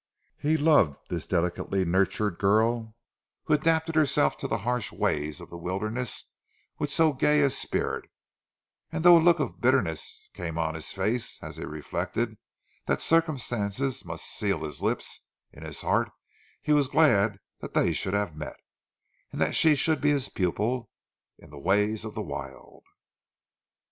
He loved this delicately nurtured girl who adapted herself to the harsh ways of the wilderness with so gay a spirit; and though a look of bitterness came on his face as he reflected that circumstances must seal his lips, in his heart he was glad that they should have met, and that she should be his pupil in the ways of the wild.